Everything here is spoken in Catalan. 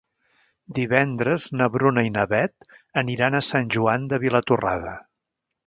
Divendres na Bruna i na Beth aniran a Sant Joan de Vilatorrada.